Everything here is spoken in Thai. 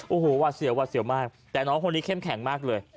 โอ้โฮหวาเสียวมากแต่น้องคนนี้เข้มแข็งมากเลย